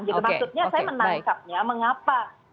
maksudnya saya menangkapnya mengapa